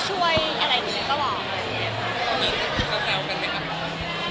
ใช่ก็เหมือนกับว่ามีอะไรก็ยินดีกัน